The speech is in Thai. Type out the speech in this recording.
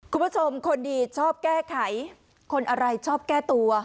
คุณผู้ชมคนดีชอบแก้ไขคนอะไรชอบแก้ตัว